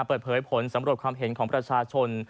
เปิดเผยผลสำรวจความเห็นของประชาชน